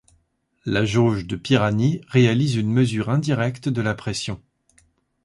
La jauge de Pirani réalise une mesure indirecte de la pression.